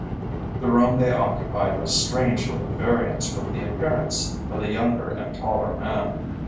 The room they occupied was strangely at variance with the appearance of the younger and taller man.